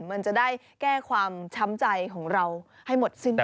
มันจะได้แก้ความช้ำใจของเราให้หมดสิ้นไป